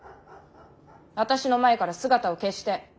私の前から姿を消して。